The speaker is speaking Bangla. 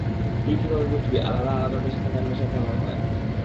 তুই কিভাবে বুঝবি আলাদা আলাদা দেশে থাকার নেশা কেমন হয়?